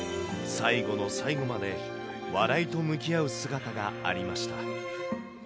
最後の最後まで、笑いと向き合う姿がありました。